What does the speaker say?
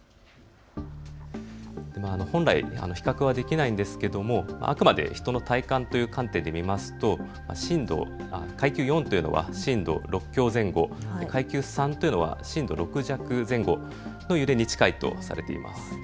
本来、比較はできないんですけれどもあくまで人の体感という観点で見ますと階級４というのは震度６強前後、階級３というのは震度６弱前後の揺れに近いとされています。